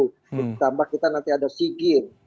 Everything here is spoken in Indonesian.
ditambah kita nanti ada seagame